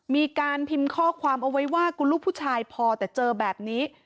มีการพิมพ์ข้อความเอาไว้ว่าคุณลูกผู้ชายพอแต่เจอแบบนี้